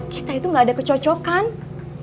kita itu gak ada kecocokan